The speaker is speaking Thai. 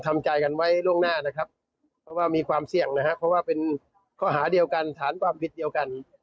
เพราะว่าเป็นข้อหาเดียวกันฐานความผิดเดียวกัน